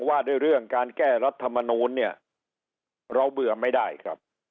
ว่าด้วยเรื่องการแก้รัฐมนูลเนี่ยเราเบื่อไม่ได้ครับ